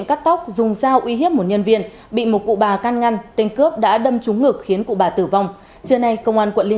cảm ơn các bạn đã theo dõi